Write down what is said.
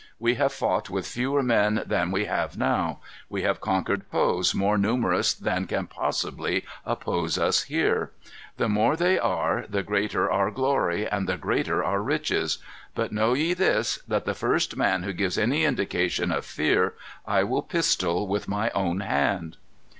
We have fought with fewer men than we have now. We have conquered foes more numerous than can possibly oppose us here. The more they are, the greater our glory, and the greater our riches. But know ye this, that the first man who gives any indication of fear, I will pistol with my own hand."